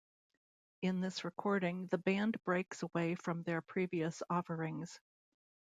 In this recording, the band breaks away from their previous offerings.